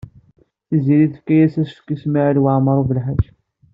Tiziri tefka-as asefk i Smawil Waɛmaṛ U Belḥaǧ.